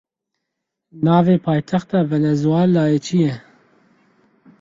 Navê paytexta Venezuelayê çi ye?